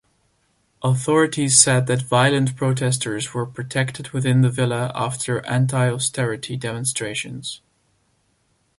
Authorities said that violent protesters were protected within the villa after anti-austerity demonstrations.